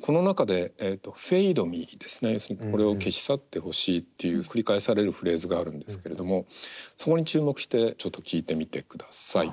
この中でｆａｄｅｍｅですね俺を消し去ってほしいっていう繰り返されるフレーズがあるんですけれどもそこに注目してちょっと聴いてみてください。